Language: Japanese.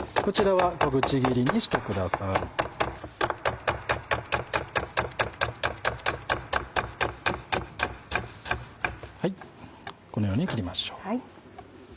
はいこのように切りましょう。